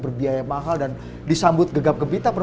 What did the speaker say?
berbiaya mahal dan disambut gegap gempita